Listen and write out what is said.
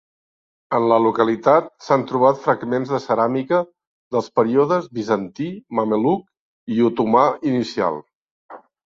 En la localitat s'han trobat fragments de ceràmica dels períodes bizantí, mameluc i otomà inicial.